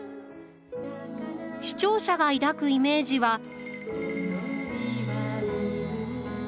視聴者が抱くイメージは。